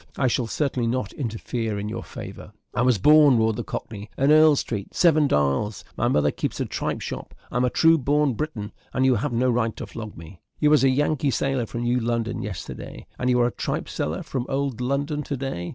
I shall certainly not interfere in your favour." "I was born," roared the cockney, "in Earl Street, Seven Dials my mother keeps a tripe shop I am a true born Briton, and you have no right to flog me." "You was a Yankee sailor from New London yesterday, and you are a tripe seller, from Old London to day.